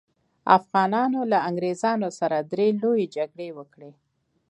افغانانو له انګریزانو سره درې لويې جګړې وکړې.